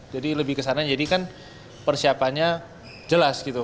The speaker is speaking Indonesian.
jadi lebih kesana jadi kan persiapannya jelas gitu